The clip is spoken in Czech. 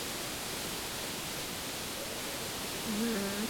Hudební nadání projevoval od dětství.